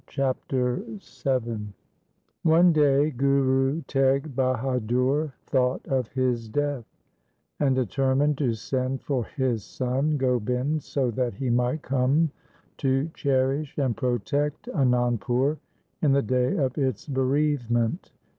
Chapter VII One day Guru Teg Bahadur thought of his death, and determined to send for his son Gobind so that he might come to cherish and protect Anandpur in the day of its bereavement.